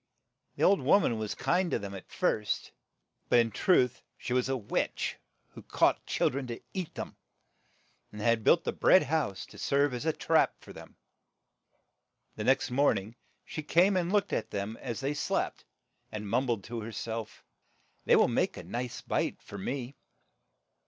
The old worn an was kind to them at first, but in truth she was a witch who caught chil dren to eat them, and had built the bread house to serve as a trap for them. The next morn ing she came and looked at them as they slept, and mum bled to her self, ''They will make a nice bite for me."